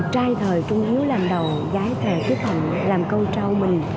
trai thời trung hữu làm đầu giái thời kết thận làm câu trao mình